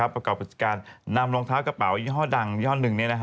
ประกอบกิจการนำรองเท้ากระเป๋ายี่ห้อดังยี่ห้อหนึ่ง